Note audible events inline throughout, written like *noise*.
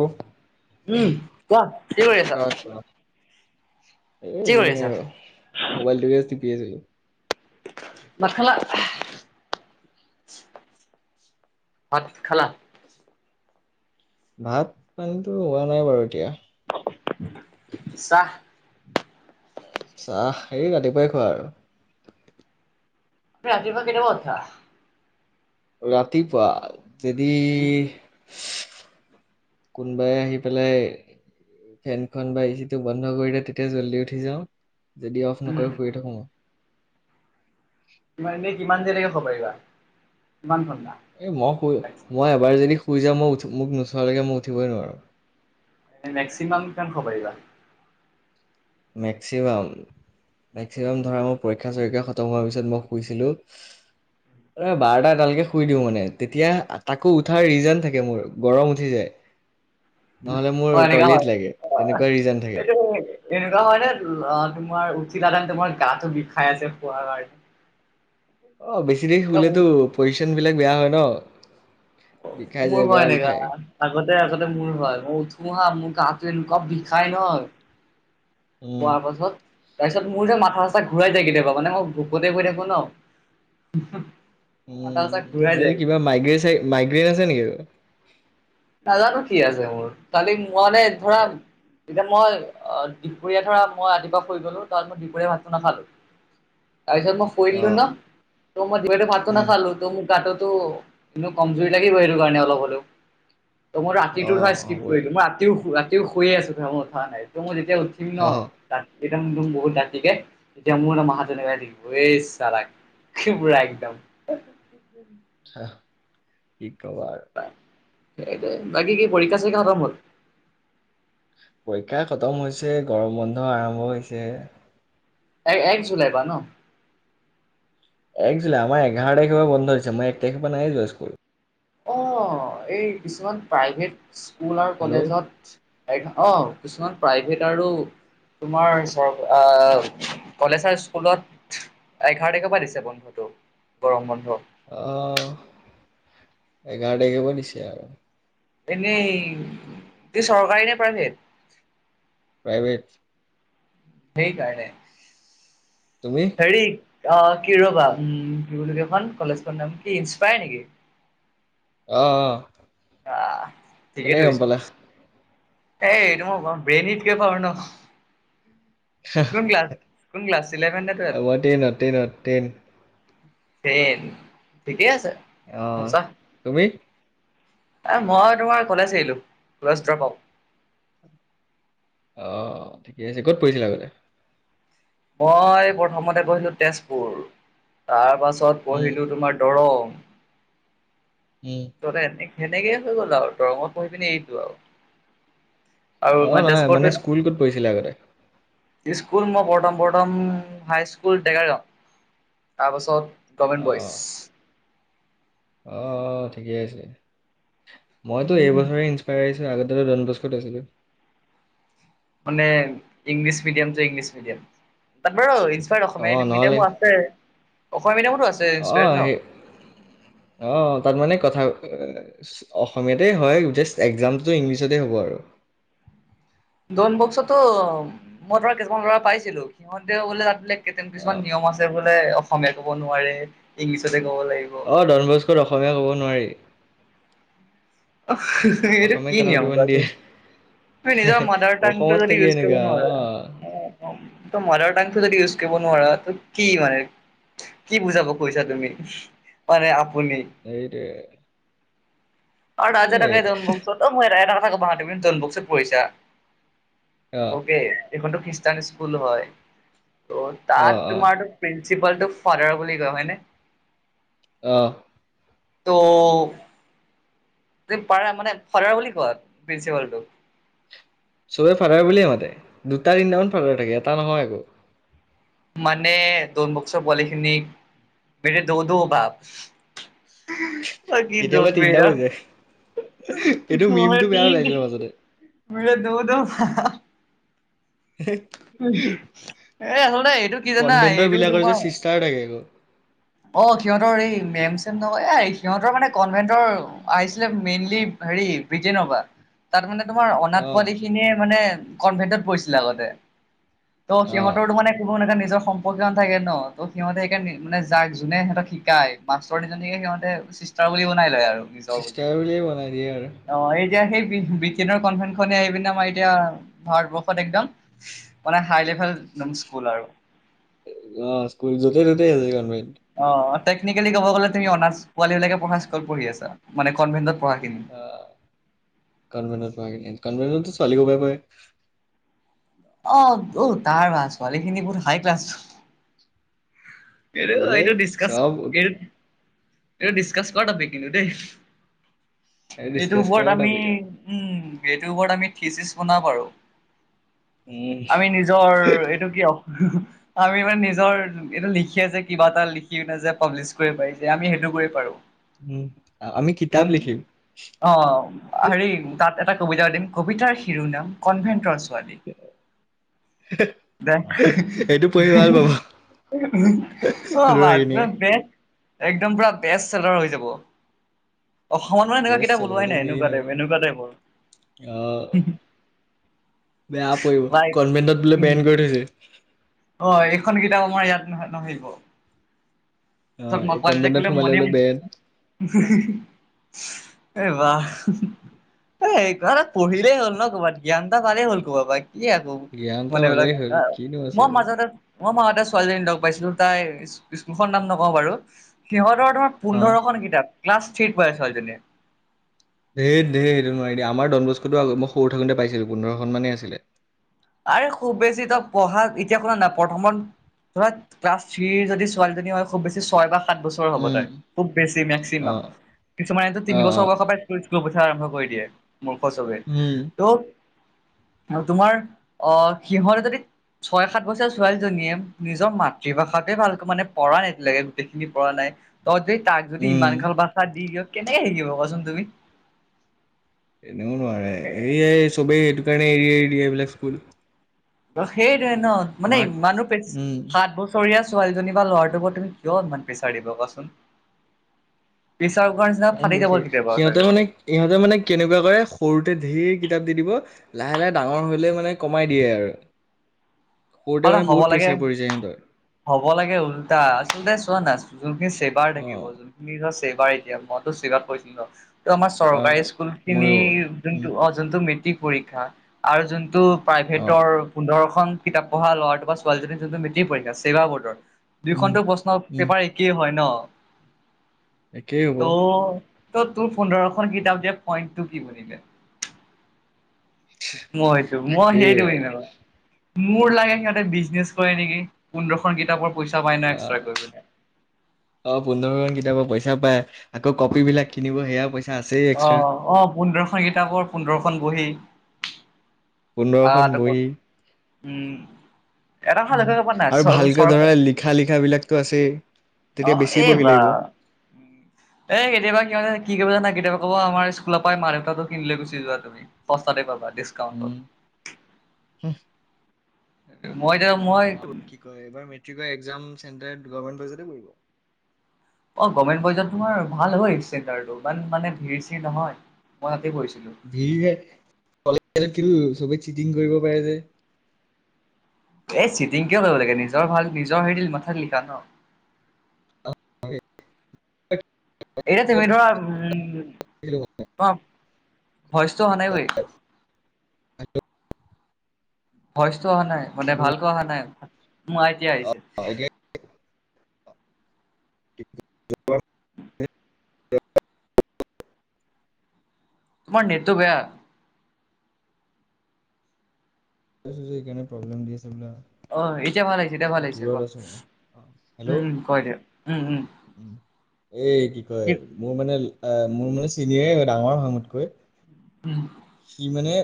এ উম কোৱা, কি কৰি আছা? এ এনেই কি কৰি আছা আৰু, মবাইলটোকে টিপি আছিলো। ভাত খালা? ভাত খালা? ভাত পানীতো, হোৱা নাই বাৰু এতিয়া। চাহ? চাহ হেই, ৰাতিপুৱাই খোৱা আৰু। ৰাতিপুৱা কেইটামানত উঠা? ৰাতিপুৱা, যদি কোনোবাই আহি পেলাই ফেনখন বা এ চি টো বন্ধ কৰি দিয়ে, তেতিয়া জল্দি উঠি যাওঁ, যদি অফ নকৰে শুইয়ে থাকো। *unintelligible* কিমান দেৰিলৈকে শুব পাৰিবা, কিমান ঘণ্টা? এই মই শুই মই এবাৰ যদি শুই যা মই মোক নোঠোৱালৈকে মই উঠিবই নোৱাৰোঁ। মেক্সিমাম কিমান শুব পাৰিবা। মেক্সিমাম মেক্সিমাম ধৰা মোৰ পৰীক্ষা চৰীক্ষা খতম হোৱাৰ পিছত মই শুইছিলো। বাৰটা এডালকে শুই দিও মানে তেতিয়া তাকো উঠাৰ ৰিজন থাকে মোৰ গৰম উঠি যায়। নহলে মোৰ অ এনেকা হয় টইলেট লাগে তেনেকুৱা ৰিজন থাকে। এইটো এনেকুৱা হয় নে তোমাৰ উঠিলাতেতে তোমাৰ গাটো বিষাই আছে শুৱা কাৰণে অ বেছি দেৰি এনেকুৱা শুলেতো বহুত পজিচন বিলাক বেয়া হয় ন। বিষাই মোৰ যায় হয় বেয়া এনেকা। বিষায়। আগতে আগতে মোৰ হয় মই উঠো হা' মোৰ গা, টো এনেকুৱা বিষাই নহয় উম শুৱাৰ পাছত। তাৰপিছত মোৰ যে মাথা চাচা ঘূৰাই যায়। কেতিয়াবা মানে মই ভোকতে গৈ থাকো ন। উ মাথা চাথা ঘূৰাই যায় এই একদম। কিবা মাইগ্ৰেইন মাইগ্ৰেইন আছে নেকি? নাজানো কি আছে মোৰ কালি মানে ধৰা। এ, তেতিয়া মই অ দুপৰীয়া ধৰা মই ৰাতিপুৱা শুই গলো তাত মই দুপৰীয়া ভাতটো নাখালো। তাৰপিছত মই শুই অ দিলোঁ ন তাৰপিছত মই দুপৰীয়া ভাত টো উম নাখালো ত মোক কাটোতো এ কমজৰি লাগিব সেইটো কাৰণে অলপ হলেও ত মই অ ৰাতিটো ধৰা স্কিপ হ'বই কৰিলো মই ৰাতিও ৰাতিও শুয়ে আছো ধৰা মই উঠা নাই ত' মই যেতিয়া উঠিম অ ন। দ বহুত দাঁতিকে এতিয়া মোৰ মাহাজনে ব চাগ। পুৰাএকদম। কি কবা আৰু সেই বাকী কি পৰীক্ষা চৰীক্ষা খতম হ'ল। পৰীক্ষা খতম হৈছে। গৰম বন্ধ আৰম্ভ হৈছে। এক এক জুলাই পৰা ন। এক জুলাই আমাৰ এঘাৰ তাৰিখে বন্ধ দিছে মই এক তাৰিখ মানেহে নাই যোৱা স্কুল। অঁ এই কিছুমান প্ৰাইভেট স্কুল আৰু হেল্ল' কলেজত অ কিছুমান প্ৰাইভেট আৰু তোমাৰ কলেজ আৰু স্কুলত এঘাৰ তাৰিখৰ পৰা দিছে বন্ধটো গৰম বন্ধ। অ এঘাৰ তাৰিখৰ পৰা দিছে। আৰু এনেই কি চৰকাৰী নে প্ৰাইভেট। প্ৰাইভেট সেই কাৰণে তুমি? হেৰি অ কি ৰবা বলেইখন কলেজখন নাম কি ইনস্পায়াৰ নেকি? অ অ আহ ঠিকেই কেনেকে গম থৰিছো পালা এ এইটো মই ব্ৰেইনীতকে পাৰ ন। কোন ক্লছ কোন ক্লছ ইলেভেন ন এ, টুৱেল্থ মই ট্ৰেইনত ট্ৰেইনত ট্ৰেইন ট্ৰেইন ঠিকেই আছে। অ মজা তুমি? এ মই তোমাৰ কলেজ এৰিলোঁ কষ্ট পাওঁ। অ ঠিকে আছে ক'ত পৰিছিলা আগতে মই প্ৰথমতে পঢ়িলোঁ তেজপুৰ, তাৰপাছত উম পঢ়িলোঁ তোমাৰ দৰং, উম তে সেনেকে হৈ গ'ল আৰু দৰংত পঢ়ি পিনি এৰি দিলোঁ আৰু আৰু অ মই নহয় মানে তেজপুৰটোত স্কুল ক'ত পঢ়িছিলে আগতে? স্কুল মই প্ৰথম প্ৰথম হাইস্কুল ডেঙাইগাঁও তাৰপাছত - গৰমেণ্ট অ বইজ। অ ঠিকেই আছে, মইতো এইবছৰে ইনস্পাৰাইছ ত আগতে টো দনবক্সত আছিলোঁ। মানে ইংলিছ মিডিয়াম যে ইংলিছ মিডিয়াম তাৰ বাৰু তাত অসমীয়া অ নহ'লে মিডিয়ামো আছে অসমীয়া মিডিয়ামটো আছে। ইনস্পায়াৰ্ড আহ ন সেই- অঁ তাত মানে কথা অসমীয়াতেই হয় জাষ্ট একজামটো ইংলিছতেই হ'ব আৰু। ডনবস্কতো মই ধৰা কিছুমান ল'ৰা পাইছিলো সিহঁতে বোলে তাতে বোলে কেইটামান অ কিছুমান নিয়ম আছে। তাতে বোলে অসমীয়া ক'ব নোৱাৰে ইংলিছতে ক'ব লাগিব। অ ডনবস্কত অসমীয়া ক'ব নোৱাৰি। সেইটো অসমীয়াত কি কথা নিয়ম পাতিব নিদিয়ে কোৱাছোন? তুমি নিজৰ মাদাৰ টাং টো অসমত যদি থাকি ইউজ কৰিব এনেকা অ', নোৱাৰা! ত মদাৰ টাং টো যদি ইউজ কৰিব নোৱাৰা ত কি মানে! কি বুজাব খুজিছা তুমি মানে আপুনি? সেইটোৱে। আৰু তাত যে এই থাকে ডনবস্কত অ মোৰ এটা এটা কথা গম পোৱা না তুমি ডনবস্কত পঢ়িছা। অ', অকে এইখনতো খ্ৰীষ্টান স্কুল হয়, ত' তাত অ', অ', তোমাৰ প্ৰিঞ্চিপালটোক ফাডাৰ বুলি কয় হয়নে? অ। তো - যে পাৰে মানে ফাদাৰ বুলি কোৱা প্ৰিন্সিপালটো? চবে ফাডাৰ বুলিয়ে মাতে দুটা তিনিটামান ফাডাৰ থাকে এটা নহয় আকৌ। মানে ডনবস্কৰ পোৱালি খিনিক মেৰে দো দো বাপ! *unintelligible* অ কি কেতিয়াবা যত বে তিনিটাও এইয়া হৈ যায় এইটো কৃষ্ণ মিমটো বেয়া ওলাইছিলে মাজতে *unintelligible* মেৰে দো দো বাপ! *unintelligible* এ আচলতে এইটো কি জানা এইটো তোমাৰ - ষ্টাৰ থাকে আক অ সিহঁতৰ এই মেম চেম নহয় এ সিহঁতৰ মানে কনভেন্টৰ আছি- লে মেইনলি হেৰি ব্ৰিটেইনৰ পৰা। তাত মানে তোমাৰ অনাথ অ', পোৱালি খিনিয়ে মানে কনভেন্টত পঢ়িছিলে আগতে, তো অ', সিহঁতৰ টো মানে সেইবোৰ হেনেকা নিজৰ সম্পৰ্কীয় নাথাকে ন ত সিহঁতে সেইকাৰণে মানে যাক যোনে সিহঁতক শিকায় মাষ্টৰ দুজনীকে সিহঁতে চিষ্টাৰ বুলি বনাই লয় আৰু। নিজৰ বুলি, চিষ্টাৰ বুলিয়ে বনাই দিয়ে আৰু অ এই এতিয়া সেই বি ব্ৰিটেইনৰ কনভেনট খনে আহি পিনে আমাৰ এতিয়া ভাৰতবৰ্ষত একদম মানে হাই লেভেল একদম স্কুল আৰু। অ স্কুল য'তেই ত'তেই আছে কনভেন্ট। অ টেকনিকেলি কব গ'লে তুমি অনাথ পোৱালীবিলাকে পঢ়া স্কুলত পঢ়ি আছা, মানে কনভেন্টত পঢ়াখিনি। অ কানভেন্টত পঢ়াখিনি, কানভেন্টত ছোৱালী পঢ়িব পাৰে। অ ও তাৰ বাহঃ ছোৱালীখিনি বহুত হাই ক্লাছ। এইটো লাইক বেলেগ এ ডিছকাছ চব এইট এইটো ডিচকাচ কৰা টপিক কিন্তু দেই, এইটোৰ ডিচকাচ ওপৰত কৰাৰ আমি টপিক আৰু উম এইটোৰ ওপৰত আমি থ্ৰিচিচ বনাব পাৰো। উম, আমি নিজৰ এইটো কিয় আমি মানে নিজৰ এইটো লিখি লিখে যে কিবা এটা লিখি যে পাব্লিছ কৰিব পাৰি যে আমি সেইটো কৰিব পাৰো। উম আমি কিতাপ লিখিম। অ হেৰি তাত এটা কবিতা দিম কবিতাৰ শিৰোনাম কনভেন্টৰ এইটো পঢ়ি ভাল পাব *unintelligible* *unintelligible* অ বাত ল'ৰাখিনিয়ে বেত একদম পুৰা বেষ্ট চেলৰ হৈ যাব। অসমত মানে এনেকুৱা বেষ্ট কিতাপ চেলাৰ ওলোৱাই এইটো নাই মেইন এনেকুৱা আৰু টাইপ এনেকুৱা টাইপৰ অ' হুম বেয়া পঢ়িব লাইক কনভেন্টত বোলে উম বেন কৰি থৈছে অ এইখন কিতাপ আমাৰ ইয়াত নহয় নপঢ়িব অ' এই কনভেন্টত সোমালে বোলে বেন *unintelligible* এই বাহ হো হো এ কিবা এটা পঢ়িলেই হ'ল ন ক'ৰবাত জ্ঞান এটা পালেই হ'ল ক'ৰবাৰ পৰা কি আও জ্ঞান এটা পালেই হ'ল কিনো আছে আৰু মাজতে মই মাহতে ছোৱালী এজনী লগ পাইছিলোঁ তাই স্কুলখন নাম নকওঁ বাৰু সিহঁতৰ তোমাৰ অ' পোন্ধৰখন কিতাপ ক্লাছ থ্ৰীত পঢ়ে ছোৱালীজনী ঢেৰ ঢেৰ সেইটো নোৱাৰি দে আমাৰ ডনবস্কোটো মই সৰু থাকোতে পোন্ধৰখন মানেই আছিল আৰে খুব বেছি ত পঢ়া এতিয়া কথা নাই প্ৰথমত ধৰা ক্লাছ থ্ৰিৰ যদি ছোৱালীজনী হয় খুব বেছি ছয় মান সাত বছৰ হ'ব উম তাৰ খুব বেছি মেক্সিমাম অ' কিছুমানটো তিন অ' বছৰ অ' বয়সৰ স্কুল পঠোৱা আৰম্ভ কৰি দিয়ে মূৰ্খ চবে উম ত' তোমাৰ অ সিহঁতে যদি ছয় সাত বছৰ ছোৱালীজনীয়ে নিজৰ মাতৃভাষাটোৱে ভালকে মানে পঢ়া নাই এতিয়ালৈকে গোটেইখিনি পঢ়া নাই অ দেই তাক যদি উম ইমান গাল বাচা দি দিয় কেনেকে শিকিব কচোন তুমি এনেও নোৱাৰে এইয়াই চবেই সেইটো কাৰণে এৰি এৰি দিয়ে বোলে স্কুল সেইটোৱে ন মানে মাক ইমানো পেচ উম সাত বছৰ বছৰিয়া ছোৱালীজনী বা ল'ৰাটোৰ পতি কিয় ইমান প্ৰেছাৰ দিব কোৱাচোন প্ৰেছাৰ কুকাৰ নিচিনা ফাটি যাব কেতিয়াবা সিহঁতে চাগে মানে ইহঁতে মানে কেনেকুৱা কৰে সৰুতে ঢেৰ কিতাপ দি দিব লাহে লাহে ডাঙৰ হলে মানে কমাই দিয়ে আৰু গোটে মানে হ'ব বহুত লাগে প্ৰেছাৰ পৰি যায় সিহঁতৰ হ'ব লাগে ওল্টা আচলতে চোৱা না যোনখিনি চেবাৰ অ থাকিব সি টো চেবাৰ এতিয়া মইতো চেবাত পঢ়িছিলো ন ত' আমাৰ অ চৰকাৰী স্কুল খিনি ময়ো যোনটো উম অ যোনটো মেট্ৰিক পৰীক্ষা আৰু যোনটো অ প্ৰাইভেটৰ পোন্ধৰখন কিতাপ পঢ়া ল'ৰাটো বা ছোৱালীজনীৰ যোনটো মেটিক পৰীক্ষা ছেবা বৰ্ডৰ উম দুইখনতো প্ৰশ্ন উম পেপাৰ একেই হয় ন একেই হ'ব ত' ত' তোৰ পোন্ধৰখনন কিতাপ দিয়া পইণ্ট টো কি বুলি মইতো মই তাকেই সেইটোৱে নাজানো মোৰ লাগে সিহঁতে বিজনেছ কৰে নেকি পোন্ধৰখন কিতাপৰ পইচা পায় অ ন এক্সটাকৈ অ পোন্ধৰ খন কিতাপৰ পইচা পায় আকৌ কপি বিলাক কিনিব সেয়া পইচা আছেই অ এক্সট্ৰা অ পোন্ধৰখন কিতাপৰ পোন্ধৰখন বহি আহ পোন্ধৰখন বহী তাৰপত উম এটা ভাল উ লক্ষ্য কৰিবা নাই আৰু ভালকে ধৰা চৰকাৰ লিখা লিখা বিলাকতো আছেই অ তেতিয়া বেছি বহি এইবা লাগিব এ' কেতিয়াবা কি কৰিব জান কেতিয়াবা ক'ব আমাৰ স্কুলৰ পৰা মা-দেউতাটাৰ কিনিলে গুচি যোৱা তুমি। পস্তাতে পাবা দি- উম। মই এতিয়া এ মই- আৰু কি কয় এইবাৰ মেট্ৰিকৰ এক্জাম চেন্টাৰ *unintelligible* অ গভাৰ্ণমেণ্ট বইজত তোমাৰ ভাল হয়, চেণ্টাৰটো মানে ভিৰ- চিৰ নহয় মই তা'তে কৰিছিলোঁ। ধেৰিয়ে কলেজত কিন্তু চবেই চিটিং কৰিব পাৰে যে। এই চিটিং কিয় কৰিব লাগে, নিজৰ ভাল, নিজৰ হেৰি মাথাত লিখা ন। এতিয়া তুমি ধৰা উমঁ, তোমাৰ ভইচটো অহা নাই ঐ। *unintelligible* ভইচটো অহা নাই, মানে হেল্ল' ভালকৈ অহা নাই, উমঁ এতিয়া আহিছে। এতিয়া *unintelligible* উম। তোমাৰ নেটতো বেয়া। সকাৰে প্ৰব্লেম দি আছে বোলে। অহ', এতিয়া ভাল আহিছে, এতিয়া ভাল আহিছে ক' মই হেল্ল' উমঁ-উমঁ ক' এতিয়া উম-উম। এই কি কয় মোৰ মানে মোৰ মানে চিনিয়ৰে ডাঙৰ হয় মোতকৈ। উম। সি মানে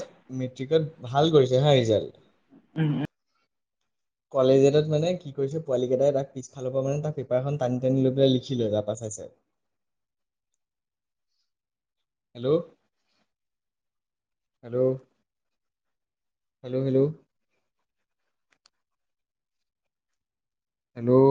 মেট্ৰিকত ভাল কৰিছে হাঁ ৰিজাল্ট। উম-উম। কলেজ- পিছত মানে কি কৰিছে পোৱালি কেইটাই তাক পিছফালৰ পৰা মানে পেপাৰখন টানি-টানি লৈ পেলাই লিখিলে তাপা চাই-চাই। Hello, hello. হেল্ল'-হেল্ল'। হেল্ল'।